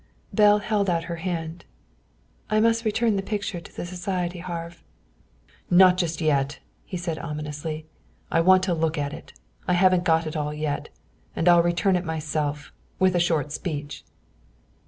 Belle held out her hand. "I must return the picture to the society, Harve." "Not just yet," he said ominously. "I want to look at it. I haven't got it all yet. And I'll return it myself with a short speech."